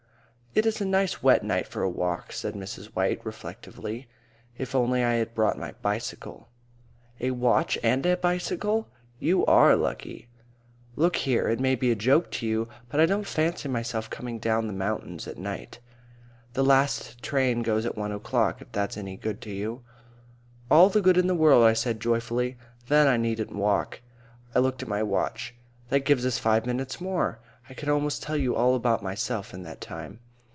"It's a nice wet night for a walk," said Miss White reflectively. "If only I had brought my bicycle." "A watch and a bicycle! You are lucky!" "Look here, it may be a joke to you, but I don't fancy myself coming down the mountains at night." "The last train goes at one o'clock, if that's any good to you." "All the good in the world," I said joyfully. "Then I needn't walk." I looked at my watch. "That gives us five minutes more. I could almost tell you all about myself in that time."